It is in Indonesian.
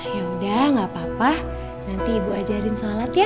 yaudah gak apa apa nanti ibu ajarin sholat ya